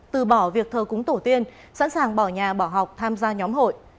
từ bỏ việc thờ cúng tổ tiên sẵn sàng bỏ nhà bỏ học tham gia nhóm hội